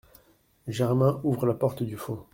Germain ouvre la porte du fond.